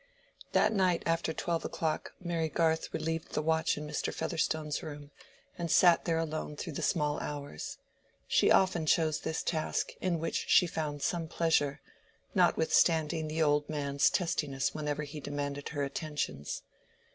That night after twelve o'clock Mary Garth relieved the watch in Mr. Featherstone's room, and sat there alone through the small hours. She often chose this task, in which she found some pleasure, notwithstanding the old man's testiness whenever he demanded her attentions.